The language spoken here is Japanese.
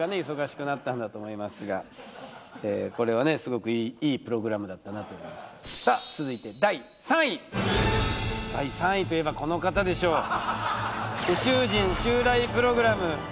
忙しくなったんだと思いますがこれはねすごくいいプログラムだったなと思いますさあ続いて第３位第３位といえばこの方でしょうプログラム